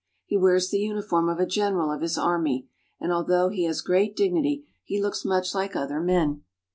He wears the uniform of a general of his army, and although he has great dignity, he looks much like other men.